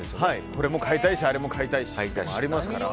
これも買いたいしあれも買いたいというのがありますから。